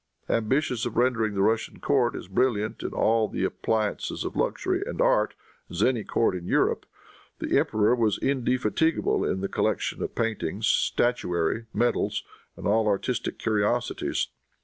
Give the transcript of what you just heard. Ambitious of rendering the Russian court as brilliant in all the appliances of luxury and art as any court in Europe, the emperor was indefatigable in the collection of paintings, statuary, medals and all artistic curiosities.